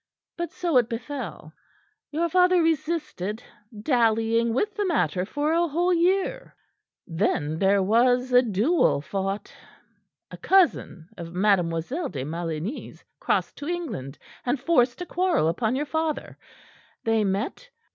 But so it befell. Your father resisted, dallying with the matter for a whole year. Then there was a duel fought. A cousin of Mademoiselle de Maligny's crossed to England, and forced a quarrel upon your father. They met, and M.